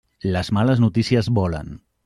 Les males notícies volen.